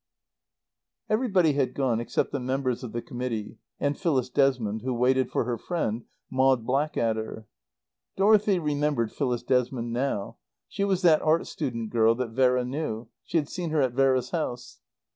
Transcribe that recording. Everybody had gone except the members of the Committee and Phyllis Desmond who waited for her friend, Maud Blackadder. Dorothy remembered Phyllis Desmond now; she was that art student girl that Vera knew. She had seen her at Vera's house.